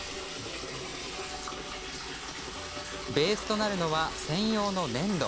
ベースとなるのは専用の粘土。